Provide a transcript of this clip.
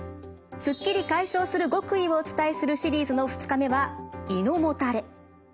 すっきり解消する極意をお伝えするシリーズの２日目は胃のもたれ。